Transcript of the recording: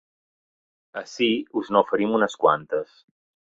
Ací us n’oferim unes quantes.